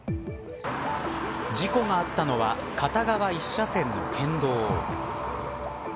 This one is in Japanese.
事故があったのは片側１車線の県道。